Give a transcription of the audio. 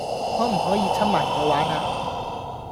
可唔可以摻埋我玩呀?